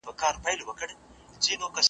چې وژل، بندي کول